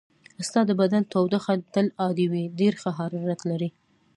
ستا د بدن تودوخه تل عادي وي، ډېر ښه حرارت لرې.